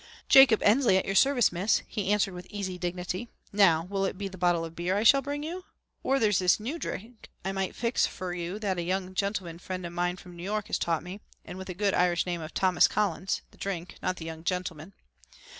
"Jacob Ensley at your service, Miss," he answered with easy dignity. "Now, will it be the bottle of beer I shall bring you? Or there's a new drink I might mix fer you that a young gentleman friend of mine from New York has taught me, and with a good Irish name of Thomas Collins the drink, not the young gentleman."